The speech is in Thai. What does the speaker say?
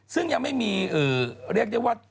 ซึ่งยังไม่มีเรียกได้ว่า